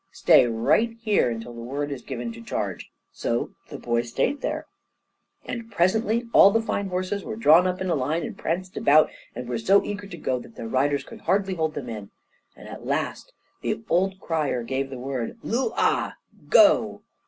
Stay right here until the word is given to charge." So the boy stayed there. And presently all the fine horses were drawn up in line and pranced about, and were so eager to go that their riders could hardly hold them in; and at last the old crier gave the word, "Loo ah!" Go!